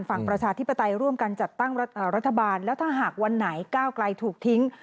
ประชาธิปไตยร่วมกันจัดตั้งรัฐบาลแล้วถ้าหากวันไหนก้าวไกลถูกทิ้ง